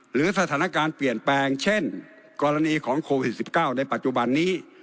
หรือสถานการณ์เปลี่ยนแปลงเช่นกรณีของโควิด๑๙ในปัจจุบันนี้